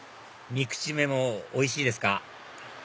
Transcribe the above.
３口目もおいしいですか？